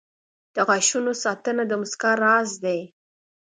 • د غاښونو ساتنه د مسکا راز دی.